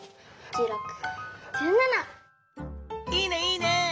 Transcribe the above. いいねいいね！